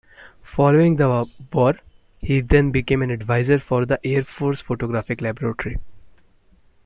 Following the war he then became an advisor for the Air Force Photographic Laboratory.